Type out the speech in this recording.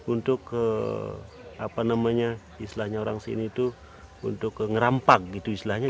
untuk apa namanya istilahnya orang sini itu untuk ngerampak gitu istilahnya